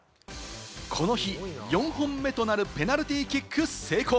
この日、４本目となるペナルティーキック成功。